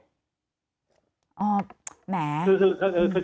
อ๋อแหม